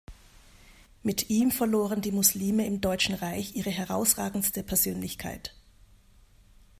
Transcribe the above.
Mit ihm verloren die Muslime im Deutschen Reich ihre herausragendste Persönlichkeit.